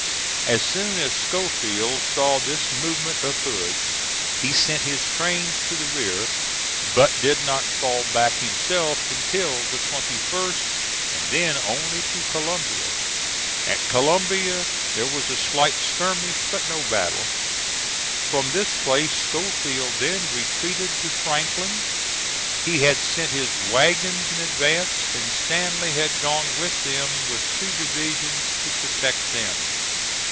As soon as Schofield saw this movement of Hood's, he sent his trains to the rear, but did not fall back himself until the 21st, and then only to Columbia. At Columbia there was a slight skirmish but no battle. From this place Schofield then retreated to Franklin. He had sent his wagons in advance, and Stanley had gone with them with two divisions to protect them.